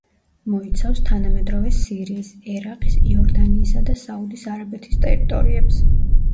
მოიცავს თანამედროვე სირიის, ერაყის, იორდანიისა და საუდის არაბეთის ტერიტორიებს.